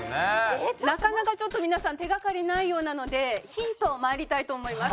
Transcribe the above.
なかなかちょっと皆さん手掛かりないようなのでヒントまいりたいと思います。